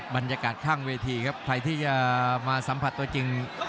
บรรยากาศข้างเวทีครับใครที่จะมาสัมผัสตัวจริง